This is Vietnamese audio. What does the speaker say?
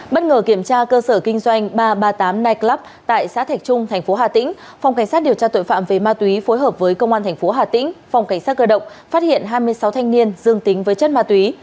bất ngờ kiểm tra cơ sở kinh doanh ba trăm ba mươi tám nightclub tại xã thạch trung thành phố hà tĩnh phòng cảnh sát điều tra tội phạm về ma túy phối hợp với công an tp hà tĩnh phòng cảnh sát cơ động phát hiện hai mươi sáu thanh niên dương tính với chất ma túy